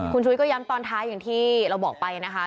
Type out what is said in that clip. คุณชุยย้ำตอนท้ายที่เราบอกไปนะคะ